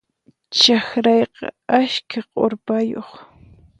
Chakrayqa askha k'urpayuq.